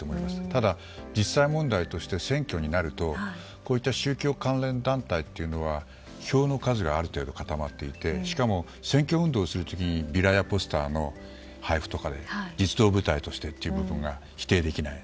ただ、実際問題として選挙になるとこうした宗教関連団体は票の数がある程度固まっていてしかも、選挙運動する時ビラやポスターの配布とかで実働部隊としてということが否定できない。